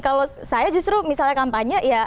kalau saya justru misalnya kampanye ya